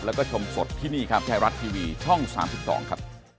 แล้วก็ชมสดที่นี่ครับไทยรัฐทีวีช่อง๓๒ครับ